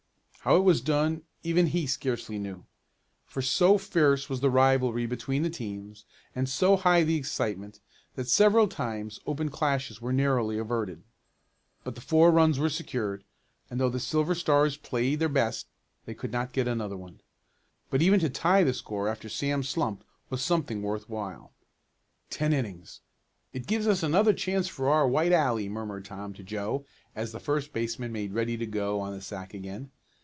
How it was done even he scarcely knew, for so fierce was the rivalry between the teams, and so high the excitement, that several times open clashes were narrowly averted. But the four runs were secured, and though the Silver Stars played their best they could not get another one. But even to tie the score after Sam's slump was something worth while. "Ten innings! It gives us another chance for our white alley," murmured Tom to Joe, as the first baseman made ready to go on the sack again.